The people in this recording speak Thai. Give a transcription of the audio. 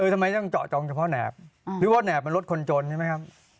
ทำไมต้องเจาะจองเฉพาะแนบหรือว่าแบบมันรถคนจนใช่ไหมครับ